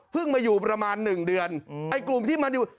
มาอยู่ประมาณหนึ่งเดือนไอ้กลุ่มที่มันอยู่